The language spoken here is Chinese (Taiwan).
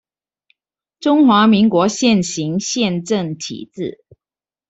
中華民國現行憲政體制